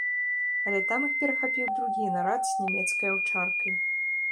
Але там іх перахапіў другі нарад з нямецкай аўчаркай.